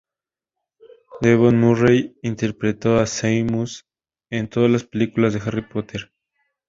Devon Murray interpretó a Seamus en todas las películas de "Harry Potter".